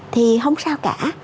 thì không sao cả